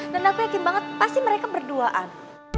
dan aku yakin banget pasti mereka berduaan